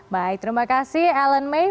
baik terima kasih ellen may